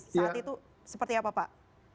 saat itu seperti apa pak